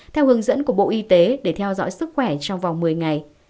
theo hướng dẫn của bộ y tế để theo dõi sức khỏe trong vòng một mươi ngày